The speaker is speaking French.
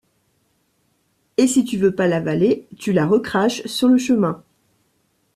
Et si tu veux pas l'avaler, tu la recraches sur le chemin.